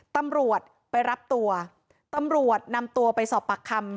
ตำรวจไปรับตัวตำรวจนำตัวไปสอบปากคำ